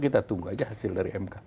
kita tunggu aja hasil dari mk